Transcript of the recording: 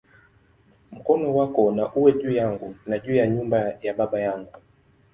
Mkono wako na uwe juu yangu, na juu ya nyumba ya baba yangu"!